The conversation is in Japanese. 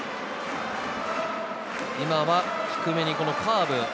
今は低めにカーブ。